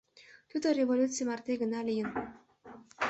Тудо революций марте гына лийын.